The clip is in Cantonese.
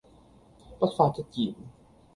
不發一言